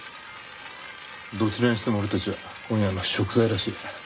どちらにしても俺たちゃ今夜の食材らしい。